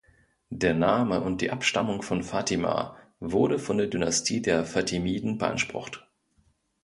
Der Name und die Abstammung von Fatima wurde von der Dynastie der Fatimiden beansprucht.